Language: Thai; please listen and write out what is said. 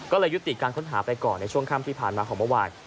ก็เลยยุติการค้นหาไปก่อนในช่วงค่ำที่ผ่านมาของเมื่อวาน